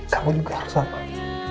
kamu juga harus sabar